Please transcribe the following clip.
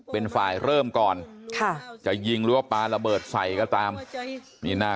เป็นฝ่ายเริ่มก่อนค่ะจะยิงหรือว่าปลาระเบิดใส่ก็ตามนี่หน้า